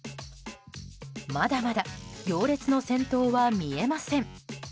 まだまだ行列の先頭は見えません。